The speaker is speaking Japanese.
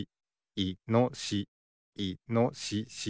いのしし。